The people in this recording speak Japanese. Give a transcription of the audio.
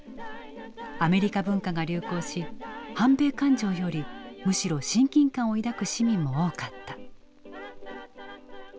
アメリカ文化が流行し反米感情よりむしろ親近感を抱く市民も多かった。